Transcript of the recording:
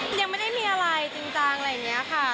ยังไม่ได้มีอะไรจริงจังอะไรอย่างนี้ค่ะ